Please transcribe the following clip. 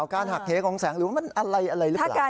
การหักเหของแสงหรือว่ามันอะไรหรือเปล่า